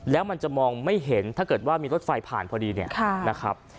แล้วมันจะมองไม่เห็นถ้าเกิดว่ามีรถไฟผ่านพอดีเนี่ยนะครับ